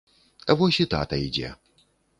Вось і тата ідзе!